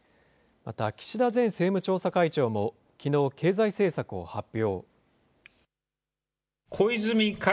また岸田前政務調査会長も、きのう、経済政策を発表。